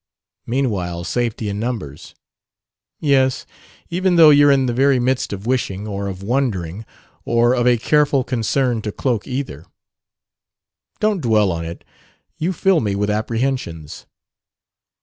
"Meanwhile, safety in numbers." "Yes, even though you're in the very midst of wishing or of wondering or of a careful concern to cloak either." "Don't dwell on it! You fill me with apprehensions."